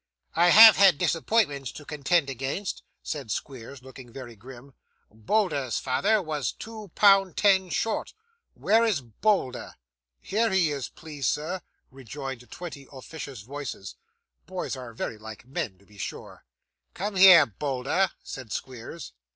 'I have had disappointments to contend against,' said Squeers, looking very grim; 'Bolder's father was two pound ten short. Where is Bolder?' 'Here he is, please sir,' rejoined twenty officious voices. Boys are very like men to be sure. 'Come here, Bolder,' said Squeers.